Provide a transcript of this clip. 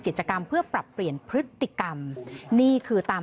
กิจกรรมเพื่อปรับเปลี่ยนพฤติกรรมนี่คือตาม